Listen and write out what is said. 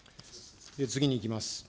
次にいきます。